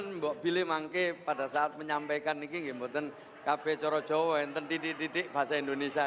saya ingin mengatakan pada saat menyampaikan ini kb jawa yang sedikit sedikit bahasa indonesia